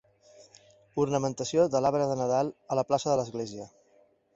Ornamentació de l'arbre de Nadal a la plaça de l'església.